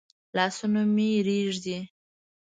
لاسونه مي رېږدي ؟